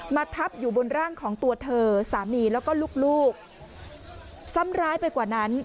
ทับอยู่บนร่างของตัวเธอสามีแล้วก็ลูกลูกซ้ำร้ายไปกว่านั้น